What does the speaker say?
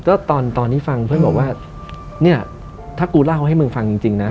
ก็ตอนตอนที่ฟังเพื่อนบอกว่าเนี่ยถ้ากูเล่าให้มึงฟังจริงนะ